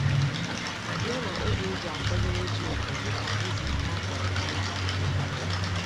ya na oge e ji akwanyere ji ùgwù dịka eze ihe a kọrọ n'ubì